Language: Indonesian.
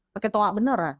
pakai tongak bener